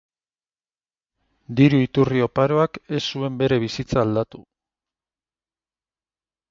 Diru iturri oparoak ez zuen bere bizitza aldatu.